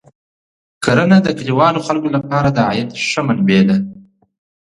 کرنه د کلیوالو خلکو لپاره د عاید ښه منبع ده.